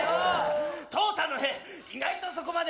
父さんのへ意外とそこまで。